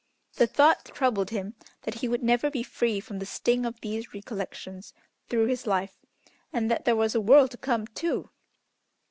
The thought troubled him that he would never be free from the sting of these recollections through his life, and that there was a world to come, too!